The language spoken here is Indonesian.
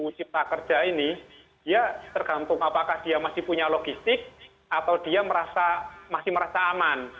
undang undang cipta kerja ini dia tergantung apakah dia masih punya logistik atau dia masih merasa aman